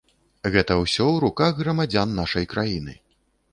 Гэта ўсё ў руках грамадзян нашай краіны.